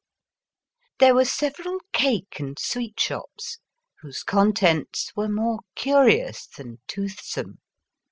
There were several cake and sweet shops, whose contents were more curious than tooth some.